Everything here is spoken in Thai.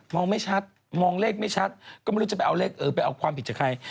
องไม่ชัดมองเลขไม่ชัดก็ไม่รู้จะไปเอาเลขเออไปเอาความผิดจากใคร